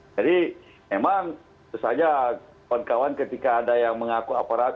jadi memang tentu saja teman teman ketika ada yang mengaku aparat